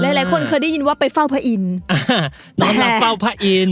หลายหลายคนเคยได้ยินว่าไปเฝ้าพระอินทร์อ่าแต่น้องเราเฝ้าพระอินทร์